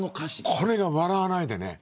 これが、笑わないでね。